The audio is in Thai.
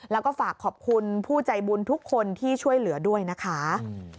แล้วก็ฝากขอบคุณผู้ใจบุญทุกคนที่ช่วยเหลือด้วยนะคะ